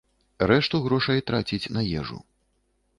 Рэшту грошай траціць на ежу.